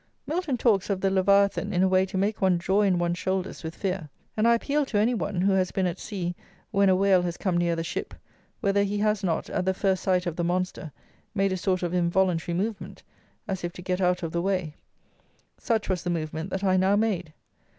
Milton talks of the Leviathan in a way to make one draw in one's shoulders with fear; and I appeal to any one, who has been at sea when a whale has come near the ship, whether he has not, at the first sight of the monster, made a sort of involuntary movement, as if to get out of the way. Such was the movement that I now made.